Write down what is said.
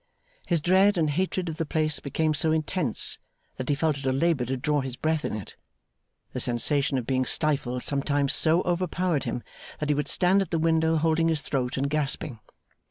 His dread and hatred of the place became so intense that he felt it a labour to draw his breath in it. The sensation of being stifled sometimes so overpowered him, that he would stand at the window holding his throat and gasping.